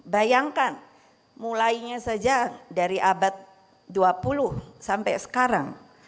bayangkan mulainya saja dari abad dua puluh sampai sekarang